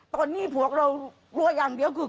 ตอนนี้ผัวเรากลัวอย่างเดียวคือ